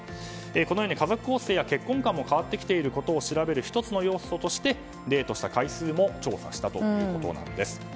このように家族構成や結婚観も変わってきていることを調べる１つの要素としてデートした回数も調査したということなんです。